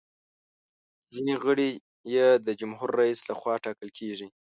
ځینې غړي یې د جمهور رئیس لخوا ټاکل کیږي.